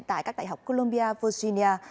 tại các đại học columbia virginia